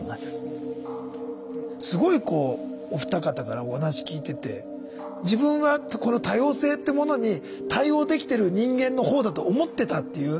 すごいこうお二方からお話聞いてて自分はこの多様性ってものに対応できてる人間のほうだと思ってたっていう大きな勘違い。